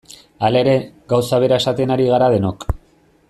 Hala ere, gauza bera esaten ari gara denok.